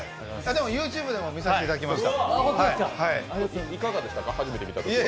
ＹｏｕＴｕｂｅでも見させていただきました。